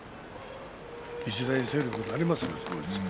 一大勢力になりますよ。